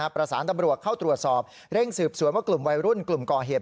ตำรวจเข้าตรวจสอบเร่งสืบสวนว่ากลุ่มวัยรุ่นกลุ่มก่อเหตุ